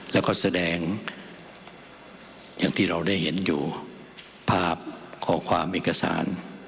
แล้วก็แสดงอย่างที่เราได้เห็นอยู่ภาพข้อความเอกสาร